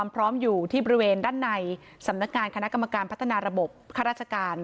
พร้อมอยู่ที่บริเวณด้านในสำนักงานคณะกรรมการพัฒนาระบบข้าราชการ